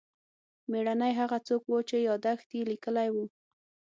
مېړنی هغه څوک و چې یادښت یې لیکلی و.